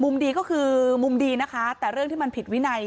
ดีก็คือมุมดีนะคะแต่เรื่องที่มันผิดวินัย